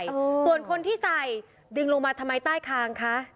ส่วนคนที่ใส่ดินลงมาทำไมใต้คางคะ